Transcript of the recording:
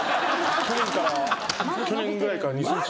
去年ぐらいから２ｃｍ。